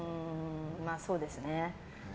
まあ、そうですね。